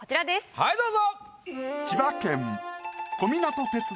はいどうぞ。